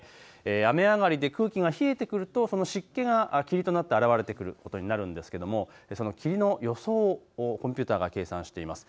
雨上がりで空気が冷えてくるとその湿気が霧となって現れてくることになるんですけれどもその霧の予想をコンピューターが計算しています。